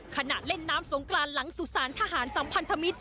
ขณะเล่นน้ำสงกรานหลังสุสานทหารสัมพันธมิตร